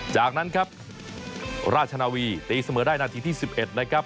จากนั้นครับราชนาวีตีเสมอได้นาทีที่๑๑นะครับ